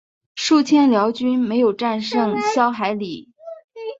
数千辽军没有战胜萧海里。